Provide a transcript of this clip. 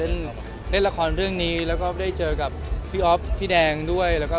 แล้วค่องอนก่อนต่อทำแบบนี้สักคราวค่ะ